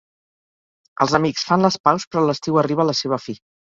Els amics fan les paus però l'estiu arriba a la seva fi.